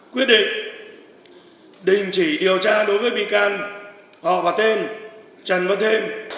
quyết định đình chỉ điều tra đối với bị can họ và tên trần văn thêm